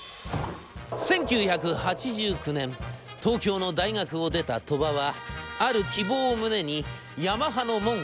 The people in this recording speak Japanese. １９８９年東京の大学を出た鳥羽はある希望を胸にヤマハの門をたたきます。